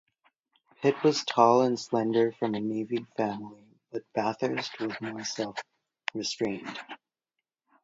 Pitt was tall and slender from a Navy family, but Bathurst was more self-restrained.